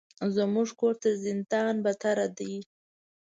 زموږ کور تر زندان بدتر ده.